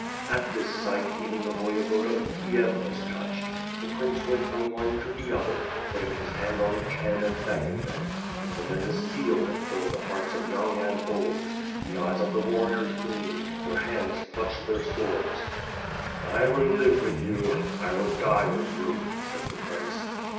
At this sight, even the Voyevoda of Kiev was touched. The prince went from one to the other, putting his hand on each head and thanking them. A tremendous zeal had filled the hearts of young and old. The eyes of the warriors gleamed; their hands clutched their swords. "1 will live with you; I will die with you," said the prince.